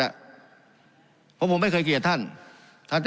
การปรับปรุงทางพื้นฐานสนามบิน